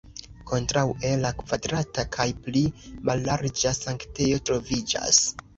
Kontraŭe la kvadrata kaj pli mallarĝa sanktejo troviĝas.